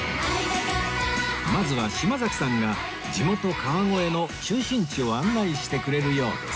まずは島崎さんが地元川越の中心地を案内してくれるようです